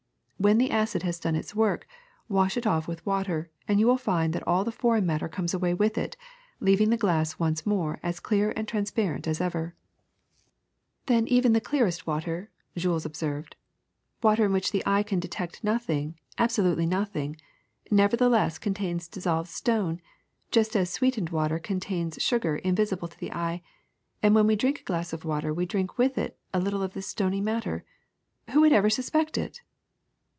AVhen the acid has done its work, wash it off with water, and you will find that all the foreign matter comes away with it, leav ing the glass once more as clear and transparent as ever." 242 WATER 243 ^^Then even the clearest water, '^ Jules observed, ^' water in which the eye can detect nothing, abso lutely nothing, nevertheless contains dissolved stone, just as sweetened water contains sugar invisible to the eye ; and when we drink a glass of water we drink with it a little of this stony matter. Who would ever suspect it!"